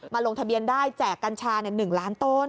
ลงทะเบียนได้แจกกัญชา๑ล้านต้น